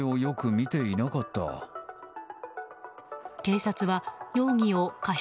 警察は容疑を過失